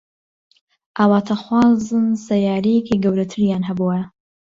ئاواتەخوازن سەیارەیەکی گەورەتریان هەبوایە.